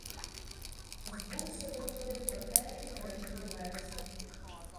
З бурси виходив пекельний крик і вереск.